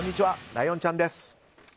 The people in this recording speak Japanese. ライオンちゃんです。